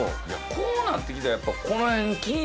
こうなって来たらやっぱ。